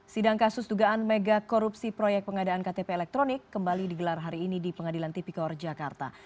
sidang kasus dugaan mega korupsi proyek pengadaan ktp elektronik kembali digelar hari ini di pengadilan tipikor jakarta